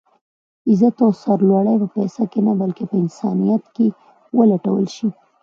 عزت او سر لوړي په پيسه کې نه بلکې په انسانيت کې ولټول شي.